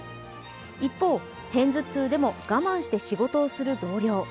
一方、偏頭痛でも我慢して仕事をする同僚。